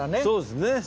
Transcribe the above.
そうですね。